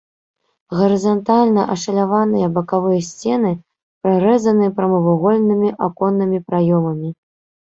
Гарызантальна ашаляваныя бакавыя сцены прарэзаны прамавугольнымі аконнымі праёмамі.